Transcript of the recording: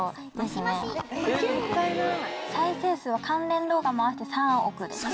再生数は関連動画も合わせて３億です。